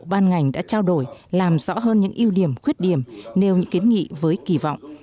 ban ngành đã trao đổi làm rõ hơn những ưu điểm khuyết điểm nêu những kiến nghị với kỳ vọng